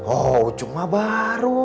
oh ucuk mah baru